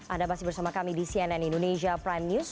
anda masih bersama kami di cnn indonesia prime news